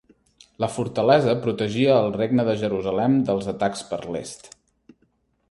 La fortalesa protegia al Regne de Jerusalem dels atacs per l'est.